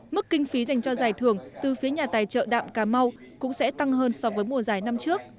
mức kinh phí dành cho giải thưởng từ phía nhà tài trợ đạm cà mau cũng sẽ tăng hơn so với mùa giải năm trước